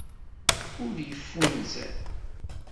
Ur yeffunzer.